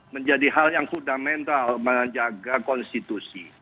menjadi hal yang fundamental menjaga konstitusi